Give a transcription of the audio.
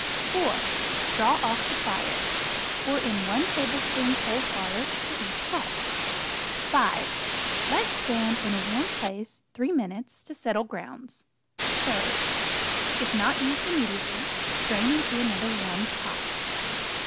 4. Draw off the fire. Pour in 1 tablespoon cold water for each cup. 5. Let stand in a warm place 3 minutes to settle grounds. Serve. If not used immediately, strain into another warmed pot.